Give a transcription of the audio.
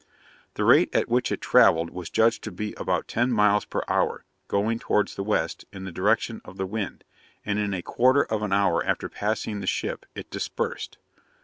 The rate at which it travelled was judged to be about ten miles per hour, going towards the west, in the direction of the wind; and in a quarter of an hour after passing the ship, it dispersed.